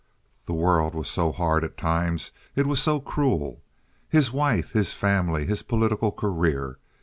The world was so hard at times; it was so cruel. His wife, his family, his political career.